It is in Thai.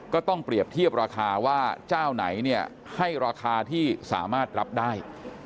ก็ต้องเปรียบเทียบราคาว่าเจ้าไหนเนี่ยให้ราคาที่สามารถรับได้